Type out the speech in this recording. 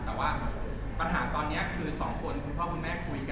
แต่ว่าปัญหาตอนนี้คือสองคนคุณพ่อคุณแม่คุยกัน